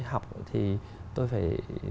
học thì tôi phải